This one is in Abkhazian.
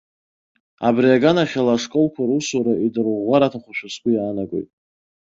Абри аганахьала ашколқәа русура идырӷәӷәар аҭахушәа сгәы иаанагоит.